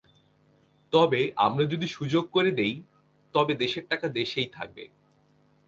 তবে আমরা যদি সুযোগ তৈরি করে দিই, তবে দেশের টাকা দেশেই থাকবে।